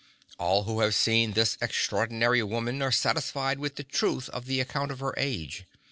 All who have seen this extraordinary woman are satisfied of the truth of the account of her age.